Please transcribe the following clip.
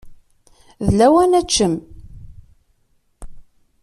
D lawan ad teččem.